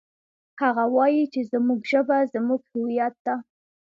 هغه وایي چې زموږ ژبه زموږ هویت ده